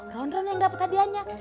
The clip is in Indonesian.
gosok ron ron yang dapet hadiahnya